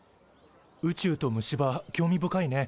宇宙と虫歯興味深いね。